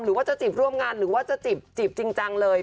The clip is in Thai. หรือว่าจะจีบร่วมงานหรือว่าจะจีบจริงจังเลย